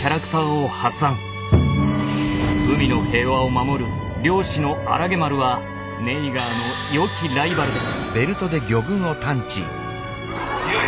海の平和を守る漁師のアラゲ丸はネイガーのよきライバルです。